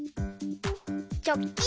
チョッキン！